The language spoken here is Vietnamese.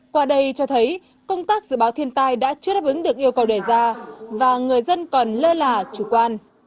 qua đây cho thấy công tác dự báo thiên tai đã chưa đáp ứng được yêu cầu đề ra và người dân còn lơ là chủ quan